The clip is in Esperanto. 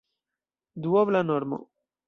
Duobla normo!